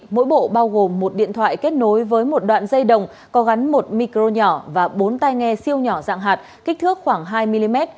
mỗi bộ bao gồm một điện thoại kết nối với một đoạn dây đồng có gắn một micro nhỏ và bốn tay nghe siêu nhỏ dạng hạt kích thước khoảng hai mm